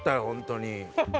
ほんとに。